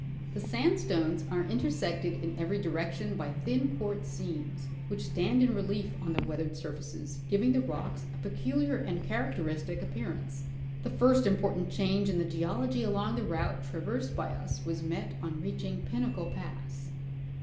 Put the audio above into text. The sandstones are intersected in every direction by thin quartz seams, which stand in relief on the weathered surfaces, giving the rocks a peculiar and charac 600 lee 50 500 10 40 170 /. 0. Rassell—Expediiioii to Mount St. Ellas. teristic appearance. The first important change in tlie geology along the route traversed by us was met on reaching Pinnacle pass.